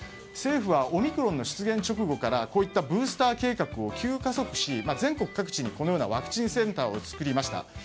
政府はオミクロンの出現直後からこういったブースター計画を急加速し全国各地にこのようなワクチンセンターを作りました。